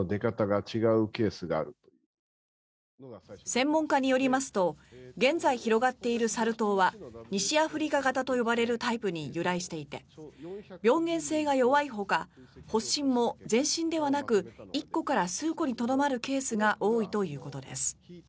専門家によりますと現在広がっているサル痘は西アフリカ型と呼ばれるタイプに由来していて病原性が弱いほか発疹も全身ではなく１個から数個にとどまるケースが多いということです。